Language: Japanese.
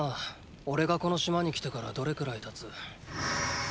おれがこの島に来てからどれくらい経つ？